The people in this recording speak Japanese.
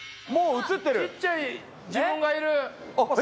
ちっちゃい自分がいる！